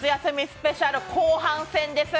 スペシャル後半戦です。